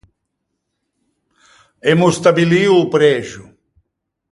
Emmo stabilio o prexo.